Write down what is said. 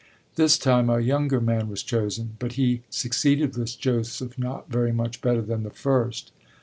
This time a younger man was chosen, but he succeeded with Joseph not very much better than the first.